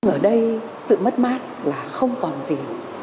ở đây sự mất mát là không còn gì